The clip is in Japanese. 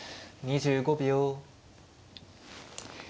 ２５秒。